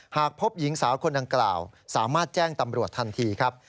หากพบหญิงสาวคนดังกล่าวสามารถแจ้งตำรวจทันทีครับ